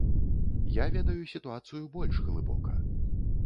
Я ведаю сітуацыю больш глыбока.